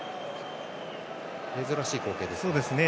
珍しい光景ですね。